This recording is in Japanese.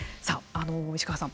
石川さん